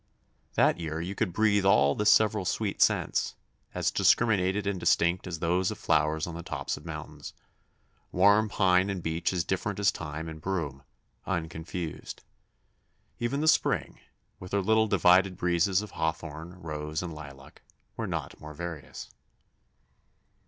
That year you could breathe all the several sweet scents, as discriminated and distinct as those of flowers on the tops of mountains warm pine and beech as different as thyme and broom, unconfused. Even the Spring, with her little divided breezes of hawthorn, rose, and lilac, was not more various.